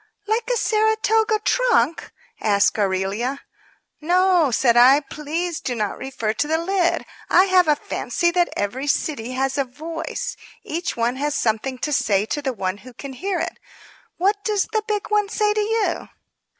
"Like a Saratoga trunk?" asked Aurelia. "No," said I. "Please do not refer to the lid. I have a fancy that every city has a voice. Each one has something to say to the one who can hear it. What does the big one say to you?"